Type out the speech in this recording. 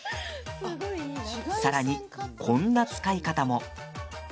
さらに、こんな使い方も。